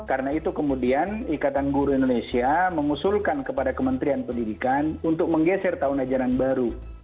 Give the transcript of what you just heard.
karena itu kemudian ikatan guru indonesia mengusulkan kepada kementerian pendidikan untuk menggeser tahun ajaran baru